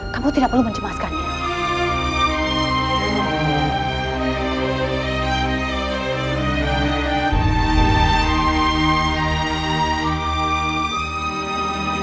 kamu tidak perlu menjemaskannya